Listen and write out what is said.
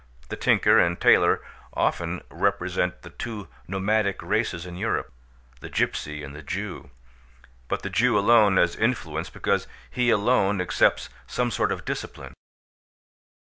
The tinker and tailor often represent the two nomadic races in Europe: the Gipsy and the Jew; but the Jew alone has influence because he alone accepts some sort of discipline.